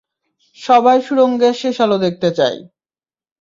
সবাই সুড়ঙ্গের শেষে আলো দেখতে চায়।